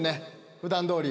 普段どおり。